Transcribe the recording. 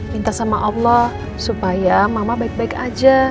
minta sama allah supaya mama baik baik aja